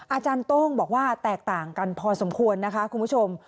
อาจารย์โต้งบอกว่าแตกต่างกันพอสมควรนะคะคุณผู้ชม